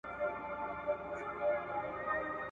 سیلۍ به وړی رژولی یمه !.